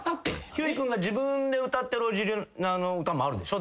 ひゅーい君が自分で歌ってるオリジナルの歌もあるんでしょ？